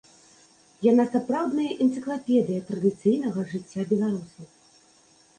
Яна сапраўдная энцыклапедыя традыцыйнага жыцця беларусаў.